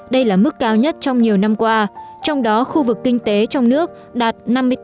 đây là mức cao nhất trong nhiều năm qua trong đó khu vực kinh tế trong nước đạt năm mươi tám bốn